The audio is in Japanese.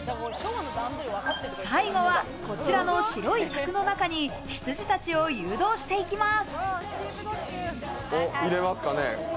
最後は、こちらの白い柵の中に羊たちを誘導していきます。